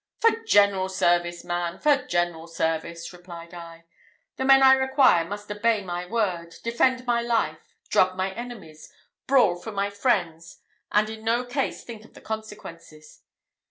"For general service, man! for general service!" replied I. "The men I require must obey my word, defend my life, drub my enemies, brawl for my friends, and in no case think of the consequences."